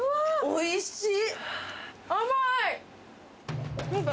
おいしっ！